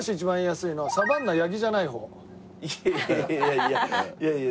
いやいやいやいや。